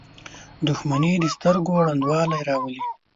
• دښمني د سترګو ړندوالی راولي.